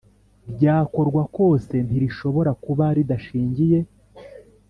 Ryakorwa kose ntirishobora kuba ridashingiye